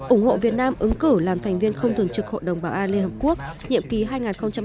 ủng hộ việt nam ứng cử làm thành viên không thường trực hội đồng bảo an liên hợp quốc nhiệm ký hai nghìn hai mươi hai nghìn hai mươi một